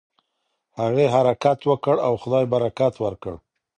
هغې حرکت وکړ او خدای برکت ورکړ.